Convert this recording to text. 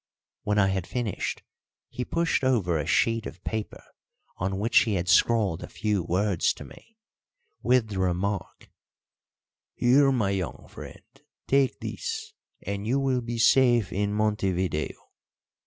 When I had finished he pushed over a sheet of paper on which he had scrawled a few words to me, with the remark, "Here, my young friend, take this, and you will be safe in Montevideo.